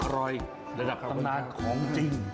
อร่อยระดับตำนานของจริง